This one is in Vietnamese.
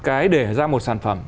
cái để ra một sản phẩm